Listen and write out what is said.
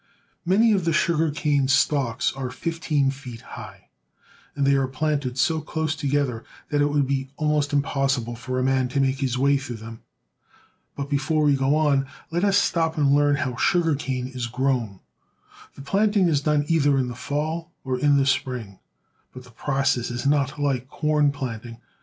iNIany of the sugar cane stalks are fifteen feet high, and they are planted so close together that it would be almost impossible for a man to make his way through them. But before we go on, let us stop and learn how sugar cane is grown. The planting is done either in the fall or in the spring, but the process is not like corn planting.